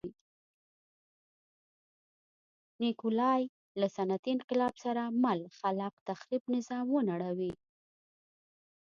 نیکولای له صنعتي انقلاب سره مل خلاق تخریب نظام ونړوي.